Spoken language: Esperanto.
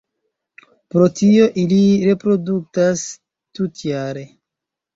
Pro tio, ili reproduktas tutjare.